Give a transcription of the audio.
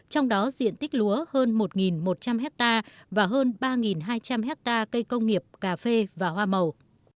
trong đó diện tích lúa hơn một một trăm linh hectare và hơn ba hai trăm linh hectare cây công nghiệp cà phê và hoa màu